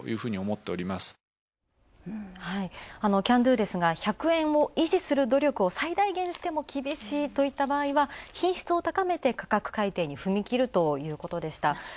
キャンドゥですが、１００円を維持する努力を最大限しても厳しいといった場合は品質を高めて価格改定に踏み切るということでした。